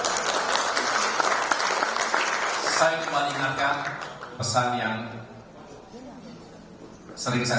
semoga bapak ibu semuanya terus istikomah dalam perjuangan panjang partai demokrat ini